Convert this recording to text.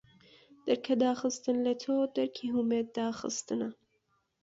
دەرکەداخستن لە تۆ دەرکی هومێد داخستنە